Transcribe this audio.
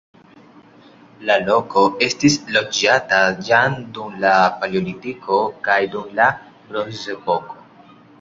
La loko estis loĝata jam dum la paleolitiko kaj dum la bronzepoko.